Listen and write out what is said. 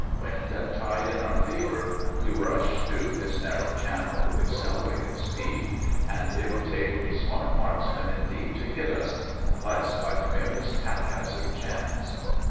Wind and tide in our favour, we rush through this narrow channel with accelerated speed, and it would take a smart marksman indeed to hit us, unless by the merest haphazard chance.